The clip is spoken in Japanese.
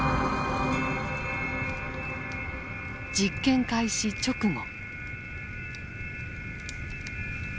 実験開始直後。